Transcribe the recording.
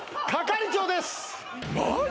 係長です！